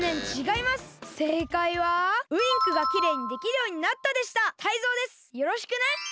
よろしくね！